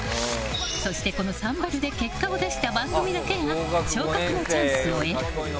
そして、この「サンバリュ」で結果を出した番組だけが昇格のチャンスを得る。